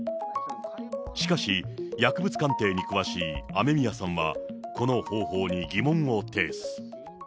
しかし、薬物鑑定に詳しい雨宮さんは、この方法に疑問を呈す。